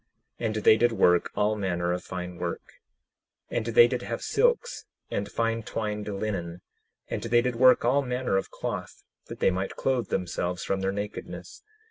And they did work all manner of fine work. 10:24 And they did have silks, and fine twined linen; and they did work all manner of cloth, that they might clothe themselves from their nakedness.